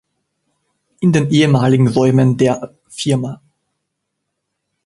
In den ehemaligen Räumen der Fa.